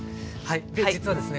で実はですね